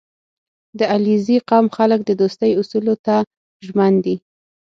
• د علیزي قوم خلک د دوستۍ اصولو ته ژمن دي.